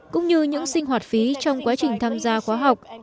cũng như những sinh hoạt phí trong quá trình tham gia khóa học